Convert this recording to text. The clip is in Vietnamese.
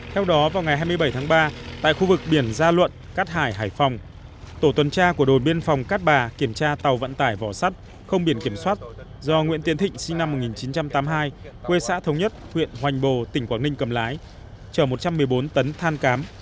theo đó vào ngày hai mươi bảy tháng ba tại khu vực biển gia luận cát hải hải phòng tổ tuần tra của đồn biên phòng cát bà kiểm tra tàu vận tải vỏ sắt không biển kiểm soát do nguyễn tiến thịnh sinh năm một nghìn chín trăm tám mươi hai quê xã thống nhất huyện hoành bồ tỉnh quảng ninh cầm lái chở một trăm một mươi bốn tấn than cám